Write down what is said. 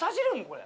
これ。